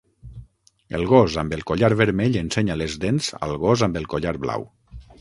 El gos amb el collar vermell ensenya les dents al gos amb el collar blau.